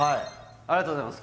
ありがとうございます